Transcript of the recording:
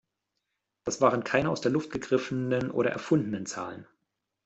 Das waren keine aus der Luft gegriffenen oder erfundenen Zahlen.